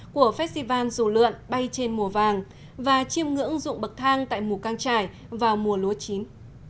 của festival dù lượn bay trên mùa vàng và chiêm ngưỡng dụng bậc thang tại mù căng trải vào mùa lúa chín